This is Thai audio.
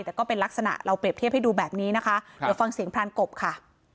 แต่ก็เป็นลักษณะเราเปรียบเทียบให้ดูแบบนี้นะคะเดี๋ยวฟังเสียงพรานกบค่ะ